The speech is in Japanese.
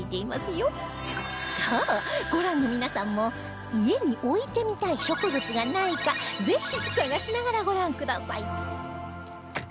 さあご覧の皆さんも家に置いてみたい植物がないかぜひ探しながらご覧ください